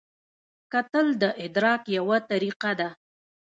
کتل د ادراک یوه طریقه ده